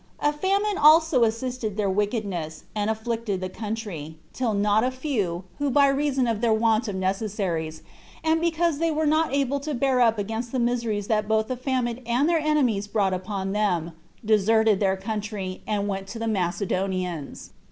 A famine also assisted their wickedness, and afflicted the country, till not a few, who by reason of their want of necessaries, and because they were not able to bear up against the miseries that both the famine and their enemies brought upon them, deserted their country, and went to the Macedonians.